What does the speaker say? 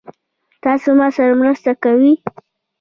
تاسو ما سره مرسته کوئ؟